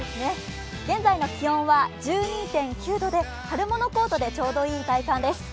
現在の気温は１２．９度で、春物コートでちょうどいい体感です。